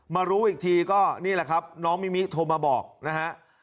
รู้อีกทีก็นี่แหละครับน้องมิมิโทรมาบอกนะฮะ